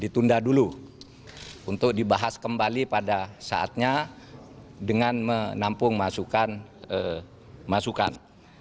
ditunda dulu untuk dibahas kembali pada saatnya dengan menampung masukan